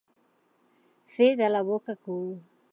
Fer de la boca cul.